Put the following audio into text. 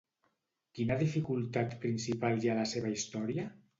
Quina dificultat principal hi ha a la seva història?